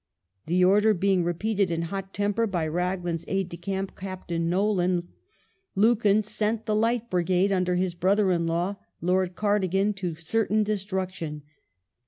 The order being repeated in hot temper by Raglan's aide de camp, Captain Nolan, Lucan sent the Light Brigade under his brother in law Lord Cardigan to certain destruction.